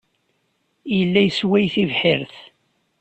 Yella yessway tibḥirt.